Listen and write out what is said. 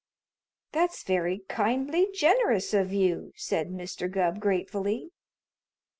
"That's very kindly generous of you," said Mr. Gubb gratefully.